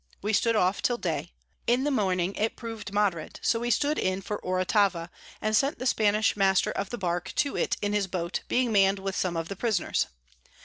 We stood off till Day: In the Morning it prov'd moderate, so we stood in for Oratava, and sent the Spanish Master of the Bark to it in his Boat, being mann'd with some of the Prisoners.